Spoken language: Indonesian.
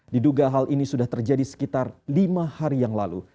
diduga hal ini sudah terjadi sekitar lima hari yang lalu